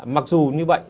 mặc dù như vậy